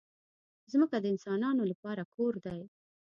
ځمکه د انسانانو لپاره کور دی.